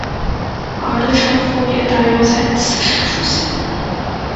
而的称呼也大约在此时出现。